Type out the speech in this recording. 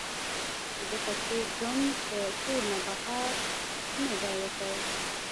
ځکه چې ګند د کور نه بهر نۀ دے وتے -